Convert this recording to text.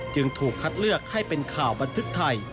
จึงถูกคัดเลือกให้เป็นข่าวบันทึกไทย